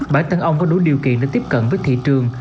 bản thân ông có đủ điều kiện để tiếp cận với thị trường